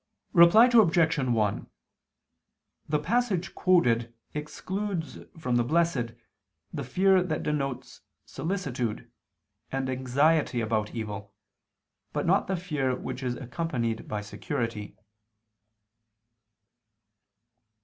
Reply Obj. 1: The passage quoted excludes from the blessed, the fear that denotes solicitude, and anxiety about evil, but not the fear which is accompanied by security.